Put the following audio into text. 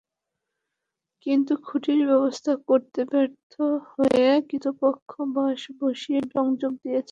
কিন্তু খুঁটির ব্যবস্থা করতে ব্যর্থ হয়ে কর্তৃপক্ষ বাঁশ বসিয়ে সংযোগ দিয়েছে।